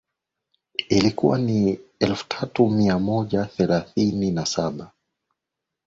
ilikuwa ni elfu tatu mia moja thelathini na saba